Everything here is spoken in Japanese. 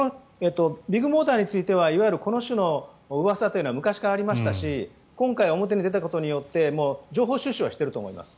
ビッグモーターについてはいわゆるこの種のうわさというのは昔からありましたし今回、表に出たことによって情報収集はしていると思います。